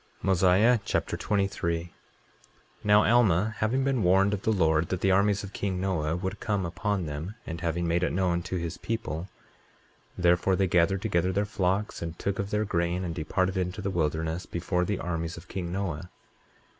Mosiah Chapter 23 23:1 Now Alma, having been warned of the Lord that the armies of king Noah would come upon them, and having made it known to his people, therefore they gathered together their flocks, and took of their grain, and departed into the wilderness before the armies of king Noah.